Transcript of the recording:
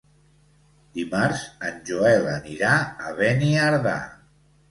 Dimarts en Joel anirà a Beniardà.